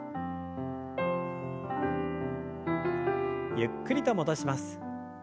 ゆっくりと戻します。